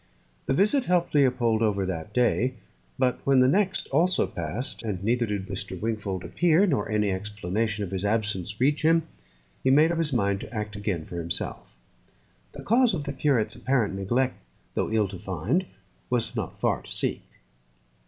The visit helped Leopold over that day, but when the next also passed, and neither did Wingfold appear, nor any explanation of his absence reach him, he made up his mind to act again for himself. The cause of the curate's apparent neglect, though ill to find, was not far to seek.